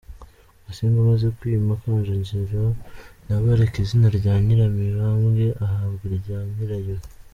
Musinga amaze kwima, Kanjogera nawe areka izina rya Nyiramibambwe, ahabwa irya Nyirayuhi.